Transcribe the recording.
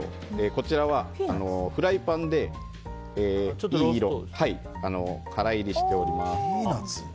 こちらはフライパンでいい色に乾いりしております。